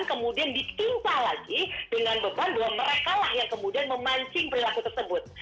perempuan sudah menjadi korban kemudian ditimpa lagi dengan beban bahwa mereka lah yang kemudian memancing perilaku tersebut